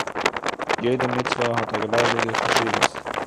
יעדע מצוה האָט אַ געוואַלדיגע חשיבות